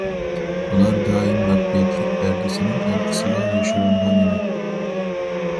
ئۇلار دائىم مەخپىيەتلىك پەردىسىنىڭ ئارقىسىغا يوشۇرۇنغان ئىدى.